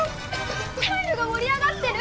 タイルが盛り上がってる！